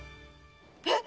えっ？